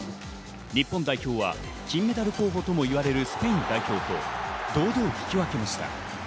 日本代表は金メダル候補ともいわれるスペイン代表と堂々引き分けました。